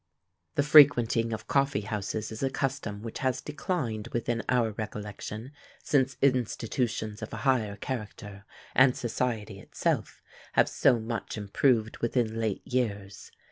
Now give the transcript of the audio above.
The frequenting of coffee houses is a custom which has declined within our recollection, since institutions of a higher character, and society itself, have so much improved within late years.